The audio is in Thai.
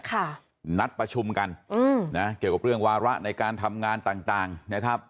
ค่ะนัดประชุมกันอืมนะเกี่ยวกับเรื่องวาระในการทำงานต่างต่างนะครับ